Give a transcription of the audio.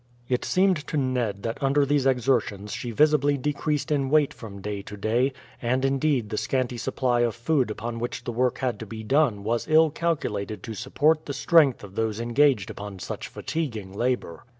It seemed to Ned that under these exertions she visibly decreased in weight from day to day, and indeed the scanty supply of food upon which the work had to be done was ill calculated to support the strength of those engaged upon such fatiguing labour.